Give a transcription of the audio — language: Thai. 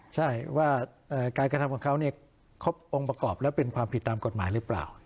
ใช่ว่าการกระทำของเขาครบองค์ประกอบแล้วเป็นความผิดตามกฎหมายหรือเปล่า